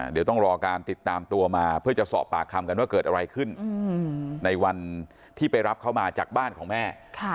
เดี๋ยวต้องรอการติดตามตัวมาเพื่อจะสอบปากคำกันว่าเกิดอะไรขึ้นในวันที่ไปรับเขามาจากบ้านของแม่